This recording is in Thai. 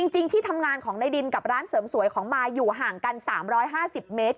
ที่ทำงานของในดินกับร้านเสริมสวยของมายอยู่ห่างกัน๓๕๐เมตร